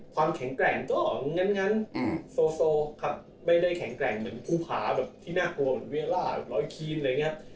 ความแข็งแรงก็ลุยสมาธิแดง